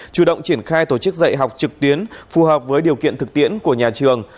chủ động triển khai tổ chức dạy học trực tuyến phù hợp với điều kiện thực tiễn của nhà trường